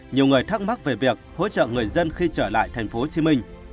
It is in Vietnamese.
nhiều người thắc mắc về việc hỗ trợ người dân khi trở lại tp hcm